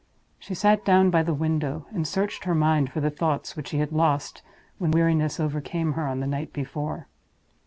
She sat down by the window; and searched her mind for the thoughts which she had lost, when weariness overcame her on the night before.